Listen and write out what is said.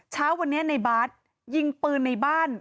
เช้าวันนี้ในบาสยิงปืนในบ้าน